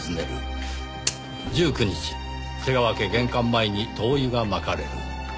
１９日瀬川家玄関前に灯油が撒かれる。